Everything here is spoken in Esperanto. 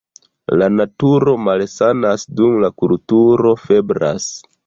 La naturo malsanas, dum la kulturo febras.